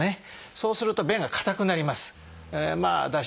そうすると便が硬くなります。